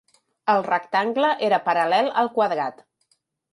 El rectangle era paral·lel al quadrat.